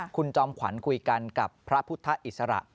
คุณจอมขวัญคุยกันกับพระพุทธอิสระ